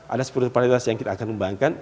ada sepuluh prioritas yang kita akan kembangkan